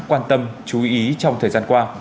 quan tâm chú ý trong thời gian qua